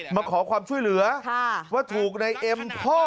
มาขอความช่วยเหลือว่าถูกในเอ็มพ่อ